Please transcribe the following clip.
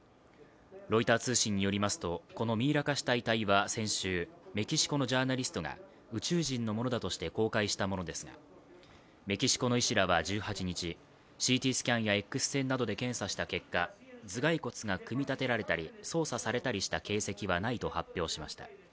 ロイター通信によりますと、このミイラ化した遺体は先週、メキシコのジャーナリストが宇宙人のものだとして公開したものですが、メキシコの医師らは１８日、ＣＴスキャンやＸ線などで検査した結果、頭蓋骨が組み立てられたり、操作されたりした形跡はないと発表しました。